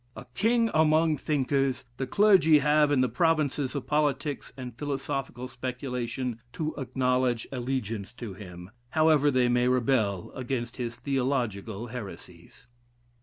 A king among thinkers, the clergy have in the provinces of politics and philosophical speculation to acknowledge allegiance to him, however they may rebel against his theological heresies.